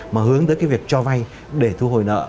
mà hướng tới cái việc cho vay để thu hồi nợ